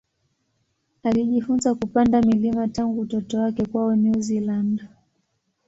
Alijifunza kupanda milima tangu utoto wake kwao New Zealand.